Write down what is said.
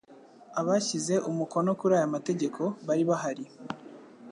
abashyize umukono kuri aya mategeko bari bahari